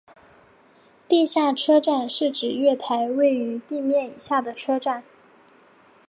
地下车站是指月台位于地面以下的车站。